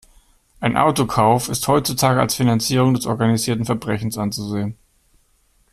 Ein Autokauf ist heutzutage als Finanzierung des organisierten Verbrechens anzusehen.